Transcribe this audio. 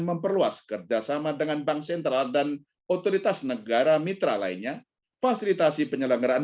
memperluas kerjasama dengan bank sentral dan otoritas negara mitra lainnya fasilitasi penyelenggaraan